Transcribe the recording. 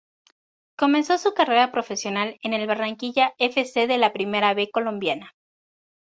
Comenzó su carrera profesional en el Barranquilla F. C. de la Primera B colombiana.